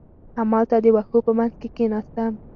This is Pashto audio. همالته د وښو په منځ کې کېناستم.